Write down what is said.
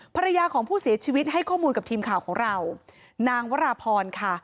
ภรรยาของผู้เสียชีวิตให้ข้อมูลกับทีมข่าวของเรานางวราพรค่ะ